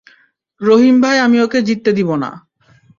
রহিম ভাই আমি ওকে জিততে দিবো না।